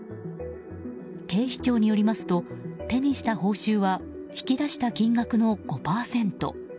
警視庁によりますと手にした報酬は引き出した金額の５％。